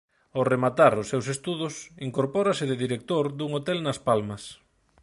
Ao rematar os seus estudos incorpórase de director dun hotel nas Palmas.